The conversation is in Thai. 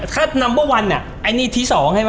ถ้าน้ำเปอร์วันอันนี้ที่๒ไหม